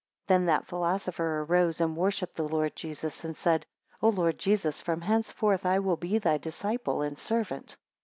21 Then that philosopher arose, and worshipped the Lord Jesus, and said, O Lord Jesus, from henceforth I will be thy disciple and servant.